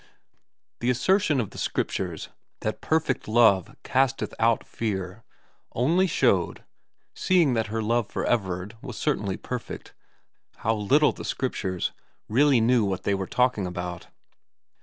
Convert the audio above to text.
The assertion of the Scriptures that perfect love casteth out fear only showed, seeing that her love for Everard was certainly perfect, how little the Scriptures really knew what they were talking about.